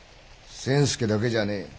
千助だけじゃねえ。